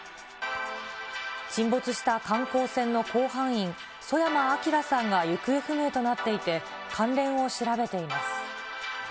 沈没した観光船の甲板員、曽山聖さんが行方不明となっていて、関連を調べています。